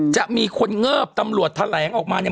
จะมีคนเงิบตำรวจแถลงออกมาเนี่ย